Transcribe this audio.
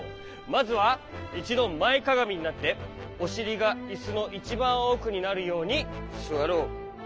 まずはいちどまえかがみになっておしりがいすのいちばんおくになるようにすわろう。